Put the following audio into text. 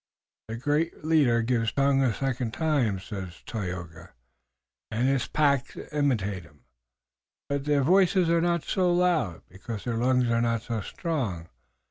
"The great leader gives tongue a second time," said Tayoga, "and his pack imitate him, but their voices are not so loud, because their lungs are not so strong.